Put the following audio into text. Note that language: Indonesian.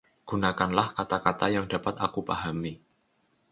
Gunakanlah kata-kata yang dapat aku pahami.